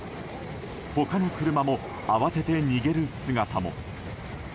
他の車も、慌てて逃げる姿も。